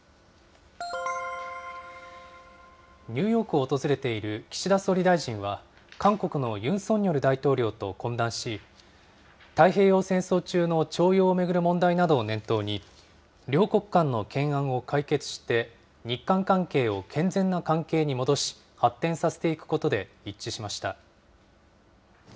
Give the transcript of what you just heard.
ニューヨークを訪れている岸田総理大臣は、韓国のユン・ソンニョル大統領と懇談し、太平洋戦争中の徴用を巡る問題などを念頭に、両国間の懸案を解決して、日韓関係を健全な関係に戻し、発展させていくことで一致しました。